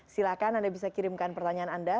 silahkan anda bisa kirimkan pertanyaan anda